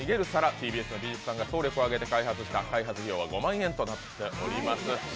ＴＢＳの美術さんが総力を挙げて開発した開発費用は５万円となっております